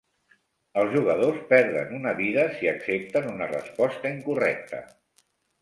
Els jugadors perden una vida si accepten una resposta incorrecta.